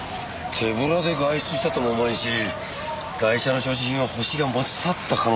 手ぶらで外出したとも思えんしガイシャの所持品は犯人が持ち去った可能性が高いな。